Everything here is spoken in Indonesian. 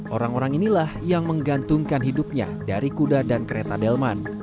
orang orang inilah yang menggantungkan hidupnya dari kuda dan kereta delman